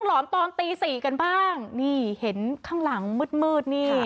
หลอนตอนตีสี่กันบ้างนี่เห็นข้างหลังมืดมืดนี่